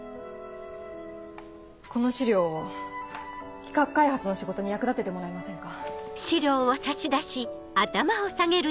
この資料を企画開発の仕事に役立ててもらえませんか。